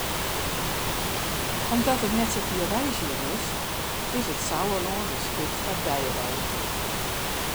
Omdat it net sa fier reizgjen is, is it Sauerlân geskikt foar deireizen.